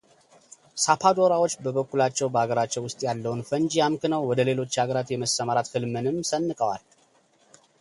ሳፓዶራዎች በበኩላቸው በአገራቸው ውስጥ ያለውን ፈንጂ አምክነው ወደ ሌሎች አገራት የመሰማራት ህልምንም ሰንቀዋል።